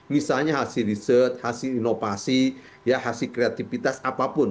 misalnya hasil riset hasil inovasi ya hasil kreatifitas apapun